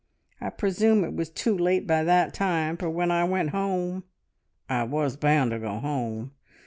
I presume it was too late by that time, for when I went home (I was bound to go home!)